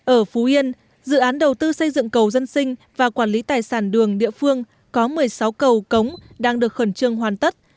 ở phú yên dự án đầu tư xây dựng cầu dân sinh và quản lý tài sản đường địa phương có một mươi sáu cầu cống đang được khẩn trương hoàn tất